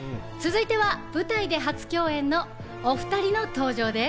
続いては舞台で初共演のお２人の登場です。